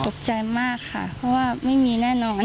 ตกใจมากค่ะเพราะว่าไม่มีแน่นอน